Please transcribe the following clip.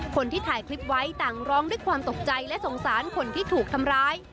คนที่ถ่ายคลิปไว้ต่างร้องด้วยความตกใจและสงสารคนที่ถูกทำร้าย